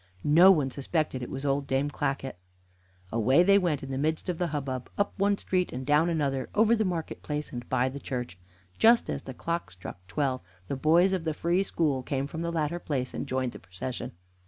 No one suspected it was old Dame Clackett. Away they went in the midst of the hubbub, up one street and down another, over the market place and by the church. Just as the clock struck twelve the boys of the Free School came from the latter place, and joined the procession.